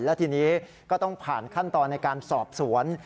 และทีนี้ก็ต้องผ่านขั้นตอนในการสอบสวน